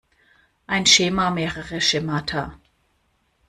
Ein Schema, mehrere Schemata.